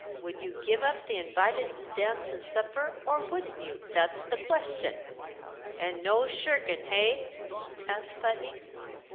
Would you give up the invited dance and supper, or wouldn't you? That's the question." "And no shirking, hey?" asked Putney.